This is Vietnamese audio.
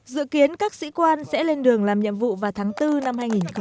đến các sĩ quan sẽ lên đường làm nhiệm vụ vào tháng bốn năm hai nghìn một mươi bảy